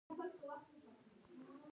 اوس چي دي بدن په وږمو کي لمبیږي